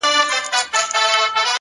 • نه پنډت ووهلم؛ نه راهب فتواء ورکړه خو؛